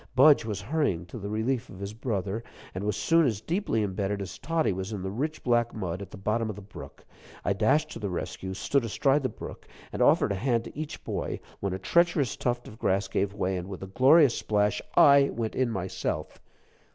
Budge was hurrying to the relief of his brother, and was soon as deeply imbedded as Toddie was in the rich black mud, at the bottom of the brook. I dashed to the rescue, stood astride the brook, and offered a hand to each boy, when a treacherous tuft of grass gave way, and, with a glorious splash, I went in myself.